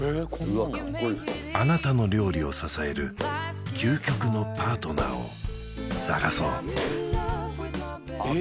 うわっカッコイイあなたの料理を支える究極のパートナーを探そうえっ？